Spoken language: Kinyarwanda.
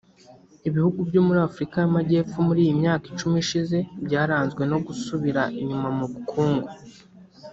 Ibihugu byo muri Afurika y’Amajyepfo muri iyi myaka icumi ishize byaranzwe no gusubira inyuma mu bukungu